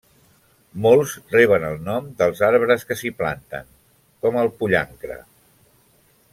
Molts reben el nom dels arbres que s'hi planten, com el del pollancre.